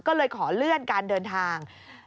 ก็เลยขอเลื่อนการเดินทาง